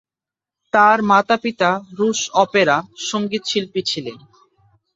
তার পিতামাতা রুশ অপেরা সঙ্গীতশিল্পী ছিলেন।